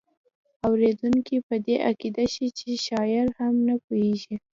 اوریدونکی پر دې عقیده شي چې شاعر نه پوهیږي.